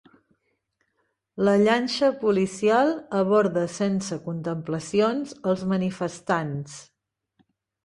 La llanxa policial aborda sense contemplacions els manifestants.